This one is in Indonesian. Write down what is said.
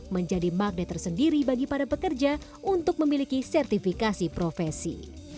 menjadi magnet tersendiri bagi para pekerja untuk memiliki sertifikasi profesi